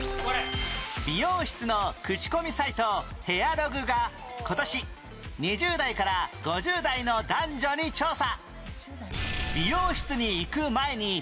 美容室の口コミサイトヘアログが今年２０代から５０代の男女に調査